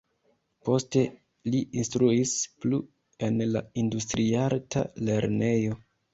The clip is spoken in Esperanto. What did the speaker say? Poste li instruis plu en la Industriarta Lernejo.